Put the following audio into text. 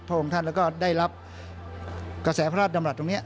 องค์ท่านแล้วก็ได้รับกระแสพระราชดำรัฐตรงนี้